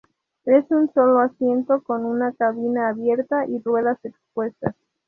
Es un solo asiento con una cabina abierta y ruedas expuestas.